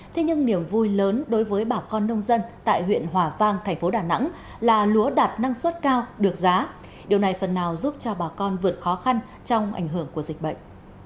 thế nhưng niềm vui lớn đối với bà con nông dân tại huyện hòa vang thành phố đà nẵng là lúa đạt năng suất cao được giá điều này phần nào giúp cho bà con vượt khó khăn trong ảnh hưởng của dịch bệnh